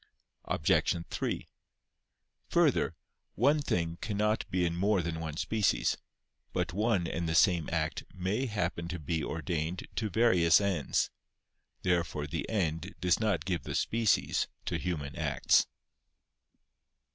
Obj. 3: Further, one thing cannot be in more than one species. But one and the same act may happen to be ordained to various ends. Therefore the end does not give the species to human acts.